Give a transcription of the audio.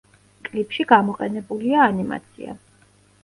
კლიპში გამოყენებულია ანიმაცია.